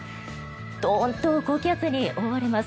どんと高気圧に覆われます。